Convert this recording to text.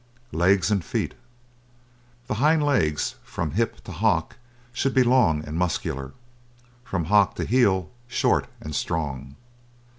LEGS AND FEET The hind legs from hip to hock should be long and muscular; from hock to heel short and strong.